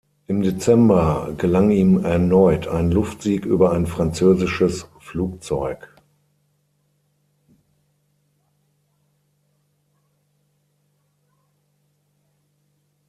Im Dezember gelang ihm erneut ein Luftsieg über ein französisches Flugzeug.